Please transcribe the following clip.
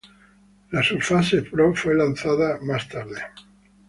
La Surface Pro fue lanzada más tarde.